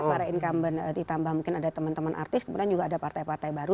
para incumbent ditambah mungkin ada teman teman artis kemudian juga ada partai partai baru